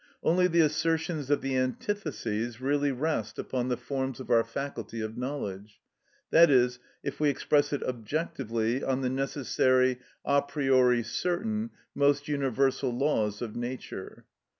Only the assertions of the antitheses really rest upon the forms of our faculty of knowledge, i.e., if we express it objectively, on the necessary, a priori certain, most universal laws of nature.